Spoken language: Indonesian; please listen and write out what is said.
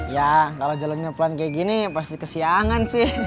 ya kalo jalaninnya pelan kayak gini pasti kesiangan sih